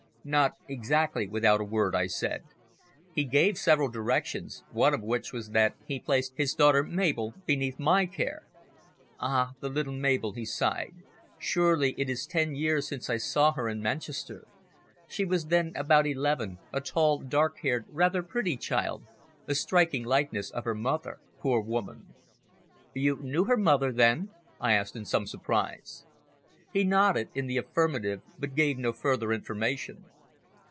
"Not exactly without a word," I said. "He gave several directions, one of which was that he placed his daughter Mabel beneath my care." "Ah, the little Mabel," he sighed. "Surely it is ten years since I saw her in Manchester. She was then about eleven, a tall, dark haired, rather pretty child, a striking likeness of her mother poor woman." "You knew her mother, then?" I asked in some surprise. He nodded in the affirmative, but gave no further information.